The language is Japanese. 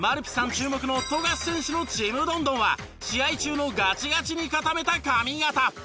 注目の富樫選手のちむどんどんは試合中のガチガチに固めた髪型。